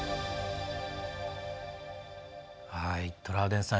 トラウデンさん